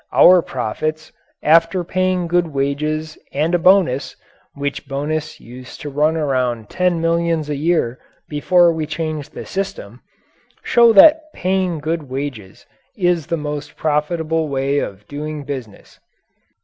Our profits, after paying good wages and a bonus which bonus used to run around ten millions a year before we changed the system show that paying good wages is the most profitable way of doing business.